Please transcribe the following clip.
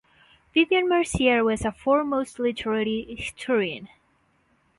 Vivian Mercier was a foremost literary historian.